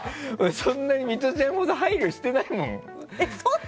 そんなにミトちゃんほど配慮してないもん。